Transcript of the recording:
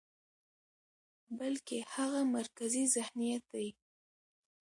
بلکې هغه مرکزي ذهنيت دى،